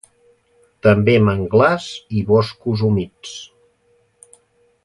També manglars i boscos humits.